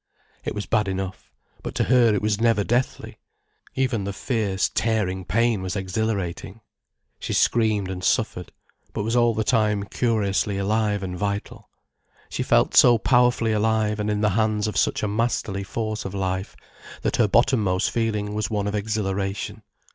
It was bad enough. But to her it was never deathly. Even the fierce, tearing pain was exhilarating. She screamed and suffered, but was all the time curiously alive and vital. She felt so powerfully alive and in the hands of such a masterly force of life, that her bottom most feeling was one of exhilaration.